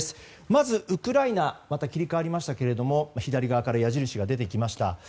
まずウクライナ切り替わりましたが左側から矢印が出てきました。